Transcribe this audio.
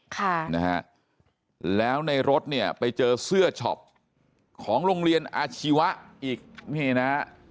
ค่ะนะฮะแล้วในรถเนี่ยไปเจอเสื้อช็อปของโรงเรียนอาชีวะอีกนี่นะฮะ